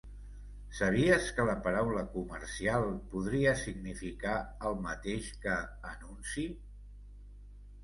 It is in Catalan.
Sabies que la paraula "comercial" podria significar el mateix que "anunci"?